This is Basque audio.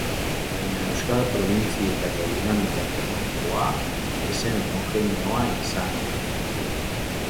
Baina euskal probintzietako dinamika politikoa ez zen homogeneoa izan.